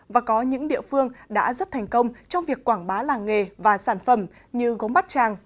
và có những địa phương đã rất thành công trong việc quảng bá làng nghề và sản phẩm như gốm bát tràng